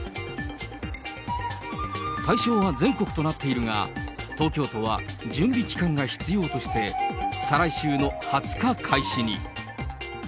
対象は全国となっているが、東京都は準備期間が必要として、再来週の２０日開始に。